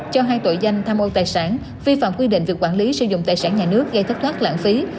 cho hai tội danh tham ô tài sản vi phạm quy định về quản lý sử dụng tài sản nhà nước gây thất thoát lãng phí